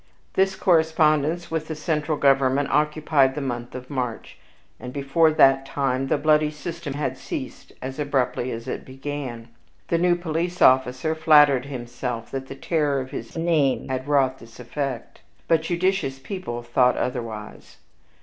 This correspondence with the central government occupied the month of March, and, before that time, the bloody system had ceased as abruptly as it began. The new police officer flattered himself that the terror of his name had wrought this effect; but judicious people thought otherwise.